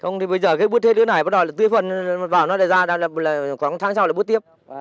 không thì bây giờ cái bút thế nữa này bắt đầu là tươi phần vào nó ra là khoảng tháng sau là bút tiếp